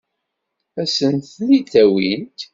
Ad sen-ten-id-awint?